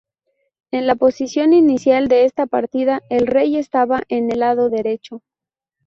En la posición inicial de esta partida el rey estaba en el lado derecho.